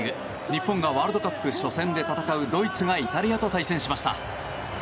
日本がワールドカップ初戦で戦うドイツがイタリアと対戦しました。